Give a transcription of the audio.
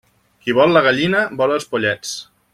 Qui vol la gallina, vol els pollets.